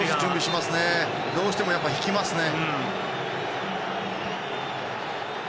どうしても引きますね。